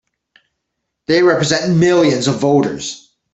They represent millions of voters!